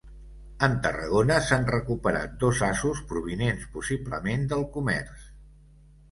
En Tarragona s'han recuperat dos asos provinents possiblement del comerç.